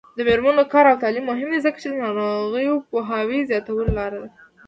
د میرمنو کار او تعلیم مهم دی ځکه چې ناروغیو پوهاوي زیاتولو لاره ده.